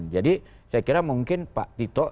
jadi saya kira mungkin pak tito